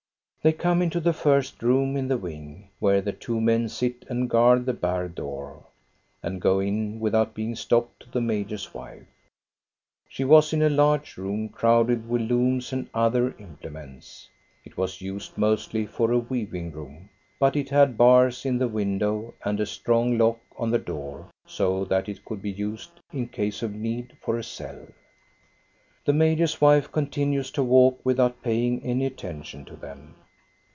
They come into the first room in the wing, where the two men sit and guard the barred door, and go in without being stopped to the major's wife. She was in a large room crowded with looms and other implements. It was used mostly for a weaving room, but it had bars in the window and a strong lock on the door, so that it could be used, in case of need, for a cell. The major's wife continues to walk without paying any attention to them.